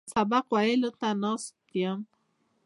سبق ویلو ته ناست یم.